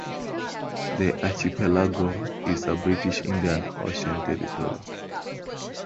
The archipelago is a British Indian Ocean Territory.